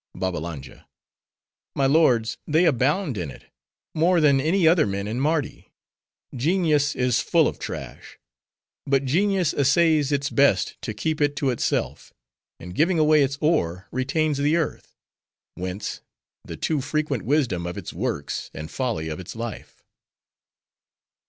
BABBALANJA—My lords, they abound in it! more than any other men in Mardi. Genius is full of trash. But genius essays its best to keep it to itself; and giving away its ore, retains the earth; whence, the too frequent wisdom of its works, and folly of its life.